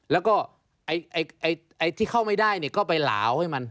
แล้วก็ไอ้ที่เข้าไม่ได้ก็ไปหลาวให้มัน